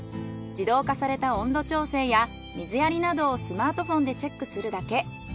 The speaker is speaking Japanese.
自動化された温度調整や水やりなどをスマートフォンでチェックするだけ。